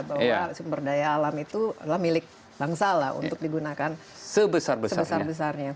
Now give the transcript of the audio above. bahwa sumber daya alam itu adalah milik bangsa lah untuk digunakan sebesar besarnya